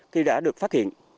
khi đã được phát hiện